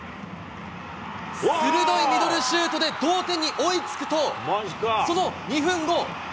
鋭いミドルシュートで同点に追いつくと、その２分後。